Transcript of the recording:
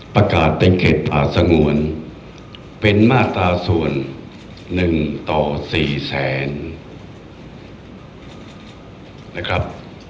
ประกาศในเขตป่าสงวนเป็นมาตราส่วน๑ต่อ๔แสนนะครับ